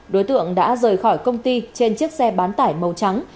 đối tượng đã rời khỏi công ty trên chiếc xe bán tải màu trắng